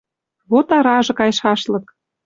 Вот аражы кайшашлык.